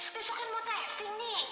besok kan mau tes tengok